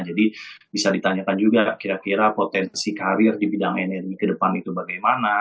jadi bisa ditanyakan juga kira kira potensi karir di bidang energi ke depan itu bagaimana